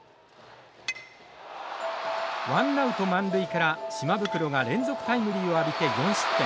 ワンナウト満塁から島袋が連続タイムリーを浴びて４失点。